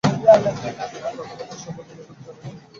আতিকের কথাবার্তায় সন্দেহ হলে গ্রামের লোকজন তাঁকে আটক করে পুলিশে দেন।